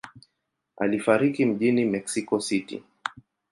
Alifariki mjini Mexico City.